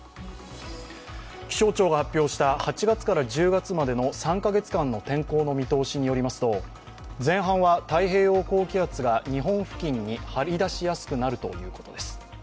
気象庁が発表した８月から１０月までの３カ月間の天候の見通しによりますと前半は太平洋高気圧が日本付近に張り出しやすくなるということです。